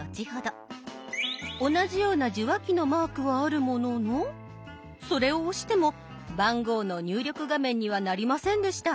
同じような受話器のマークはあるもののそれを押しても番号の入力画面にはなりませんでした。